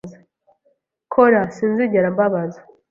kora; Sinzigera mbabaza. ”